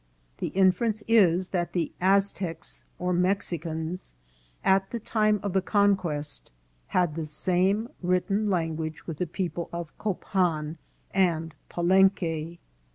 The inference is, that the Aztecs or Mexicans, at the time of the conquest, had the same written lan guage with the people of Copan and Palenque.